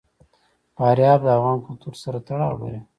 فاریاب د افغان کلتور سره تړاو لري.